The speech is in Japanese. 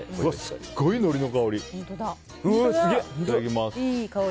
すごいのりの香り！